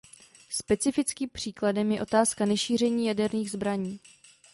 Specifickým příkladem je otázka nešíření jaderných zbraní.